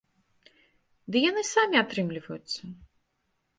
Ды яны самі атрымліваюцца.